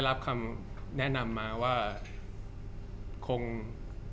จากความไม่เข้าจันทร์ของผู้ใหญ่ของพ่อกับแม่